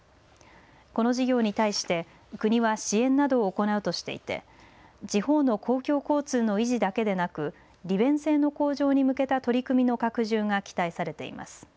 この事業に対して国は支援などを行うとしていて地方の公共交通の維持だけでなく利便性の向上に向けた取り組みの拡充が期待されています。